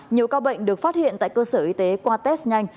nhiều ca bệnh được phát hiện tại cơ sở y tế qua test nhanh